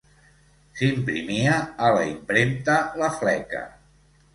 S'imprimia a la Impremta La Fleca.